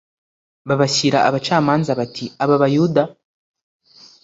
babashyira abacamanza bati Aba Bayuda